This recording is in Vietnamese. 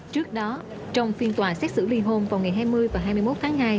trước đó trong phiên tòa xét xử liên hôn vào ngày hai mươi và hai mươi một tháng hai